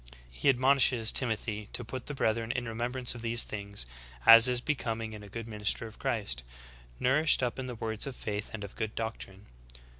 He admonishes Timothy to put the brethren in remembrance of these things, as is becoming in a good minister of Christ, ''nourished up in the words of faith and of good doctrine."